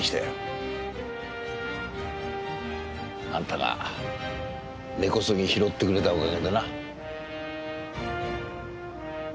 あんたが根こそぎ拾ってくれたお陰でな。